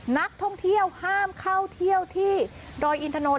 นักท่องเที่ยวห้ามเข้าเที่ยวที่ดอยอินทนนท